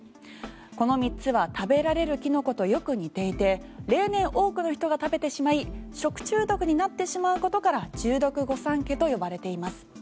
この３つは食べられるキノコとよく似ていて例年多くの人が食べてしまい食中毒になってしまうことから中毒御三家と呼ばれています。